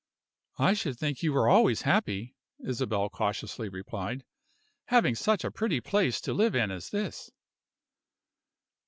"I should think you were always happy," Isabel cautiously replied, "having such a pretty place to live in as this."